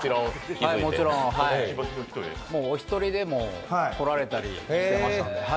お一人でも来られたりしていたので。